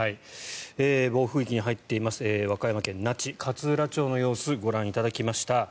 暴風域に入っている和歌山県の那智勝浦町の様子ご覧いただきました。